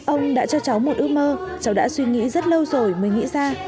ông đã cho cháu một ước mơ cháu đã suy nghĩ rất lâu rồi mới nghĩ ra